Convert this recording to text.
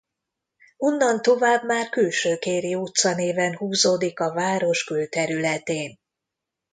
Onnan tovább már Külső Kéri utca néven húzódik a város külterületén.